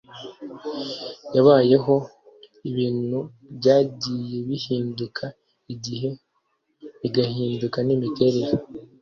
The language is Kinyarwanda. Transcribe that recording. yabayeho, ibintu byagiye bihinduka, ibihe bigahinduka, n'imiterere